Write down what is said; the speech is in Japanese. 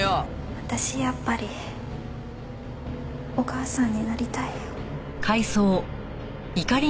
私やっぱりお母さんになりたいよ。